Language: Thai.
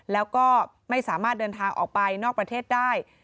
แล้วก็ไม่สามารถเดินทางออกไปนอกประเทศได้